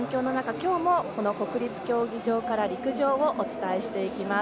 今日も国立競技場から陸上をお伝えしていきます。